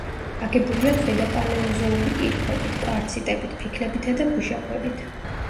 აგებულია ქვედაპალეოზოური კირქვებით, კვარციტებით, ფიქლებითა და ქვიშაქვებით.